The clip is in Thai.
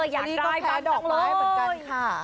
อยากได้บังจังเลย